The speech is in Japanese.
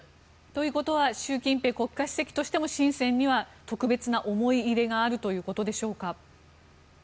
ということは習近平国家主席としてもシンセンには特別な思い入れがあるということでしょうか。